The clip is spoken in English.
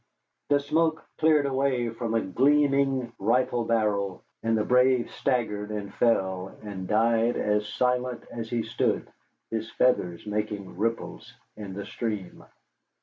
The smoke cleared away from a gleaming rifle barrel, and the brave staggered and fell and died as silent as he stood, his feathers making ripples in the stream.